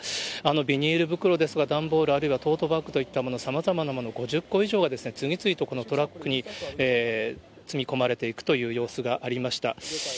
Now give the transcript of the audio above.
ビニール袋ですとか段ボール、あるいはトートバッグといったもの、さまざまなもの、５０個以上が、次々とこのトラックに積み込まれていくという様子がありました。